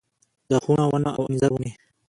د ښونه ونه او انځر ونې